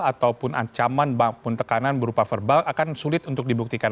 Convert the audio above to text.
ataupun ancaman tekanan berupa verbal akan sulit untuk dibuktikan